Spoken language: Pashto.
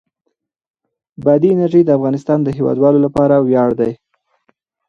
بادي انرژي د افغانستان د هیوادوالو لپاره ویاړ دی.